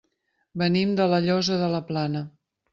Venim de La Llosa de la Plana.